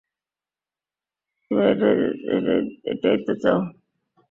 তুমি এটাই তো চাও?